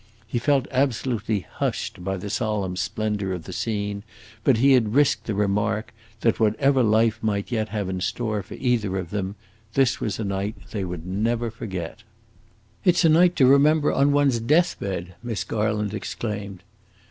He felt absolutely hushed by the solemn splendor of the scene, but he had risked the remark that, whatever life might yet have in store for either of them, this was a night that they would never forget. "It 's a night to remember on one's death bed!" Miss Garland exclaimed.